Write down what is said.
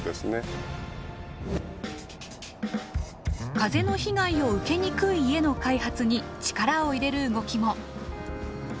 風の被害を受けにくい家の開発に力を入れる動きも。